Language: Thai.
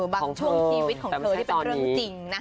ช่วงชีวิตของเธอที่เป็นเรื่องจริง